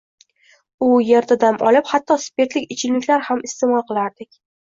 U yerda dam olib, hatto spirtli ichimliklar ham iste'mol qilardik